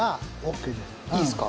いいですか？